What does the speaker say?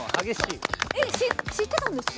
知ってたんですか？